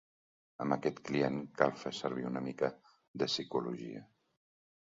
Amb aquest client cal fer servir una mica de psicologia.